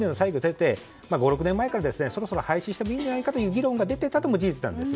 ５６年前からそろそろ廃止してもいいんじゃないかという議論が出ていたのも事実なんです。